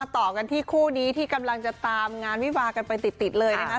ต่อกันที่คู่นี้ที่กำลังจะตามงานวิวากันไปติดเลยนะคะ